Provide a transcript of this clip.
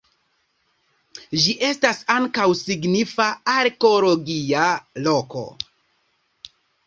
Ĝi estas ankaŭ signifa arkeologia loko.